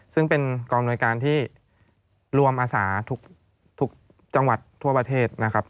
ซึ่งเป็นกองอำนวยการที่รวมอาสาทุกจังหวัดทั่วประเทศนะครับ